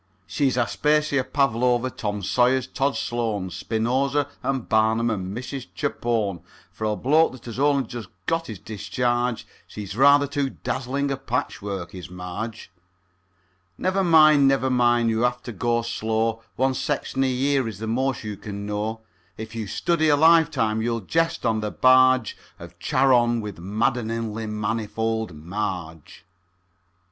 She's Aspasia, Pavlova, Tom Sayers, Tod Sloan, Spinoza, and Barnum, and Mrs. Chapone; For a bloke that has only just got his discharge, She's rather too dazzling a patchwork, is Marge. Never mind, never mind, you have got to go slow, One section a year is the most you can know; If you study a life time, you'll jest on the barge Of Charon with madd'ningly manifold Marge.